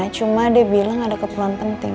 cuma dia bilang ada keperluan penting